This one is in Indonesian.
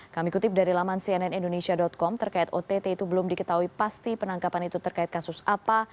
kami kutip dari laman cnnindonesia com terkait ott itu belum diketahui pasti penangkapan itu terkait kasus apa